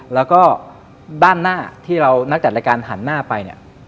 แล้วก็ด้านหน้าที่เรานักจัดรายการหันหน้าไปเนี่ย